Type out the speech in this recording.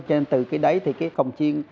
cho nên từ cái đấy thì cái công chiên